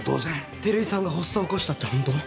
照井さんが発作を起こしたって本当？